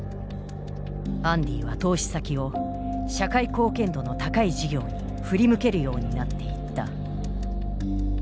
アンディは投資先を社会貢献度の高い事業に振り向けるようになっていった。